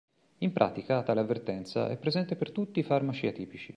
In pratica, tale avvertenza, è presente per tutti i farmaci atipici.